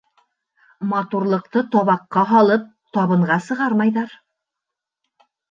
Матурлыҡты табаҡҡа һалып, табынға сығармайҙар.